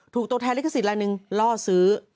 ถูกโตแทนลิขสิทธิ์ละ๑ล่อซื้อ